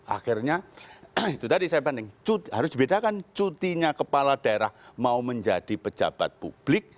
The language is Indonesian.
akhirnya itu tadi saya banding harus dibedakan cutinya kepala daerah mau menjadi pejabat publik